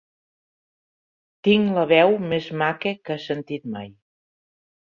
Tinc la veu més maca que has sentit mai.